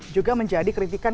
juga menjadi kritikan